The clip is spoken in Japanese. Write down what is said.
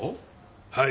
はい。